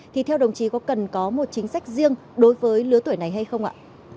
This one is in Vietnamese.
thì theo đồng chí có cần có một chính sách riêng đối với lứa tuổi này hay không ạ